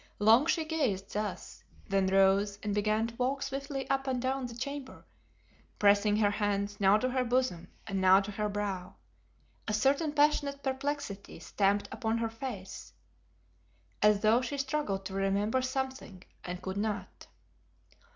Long she gazed thus, then rose and began to walk swiftly up and down the chamber, pressing her hands now to her bosom and now to her brow, a certain passionate perplexity stamped upon her face, as though she struggled to remember something and could not.